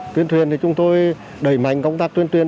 tuyên truyền thì chúng tôi đẩy mạnh công tác tuyên truyền